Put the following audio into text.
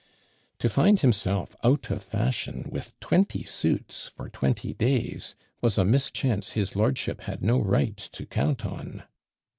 To find himself out of fashion, with twenty suits for twenty days, was a mischance his lordship had no right to count on!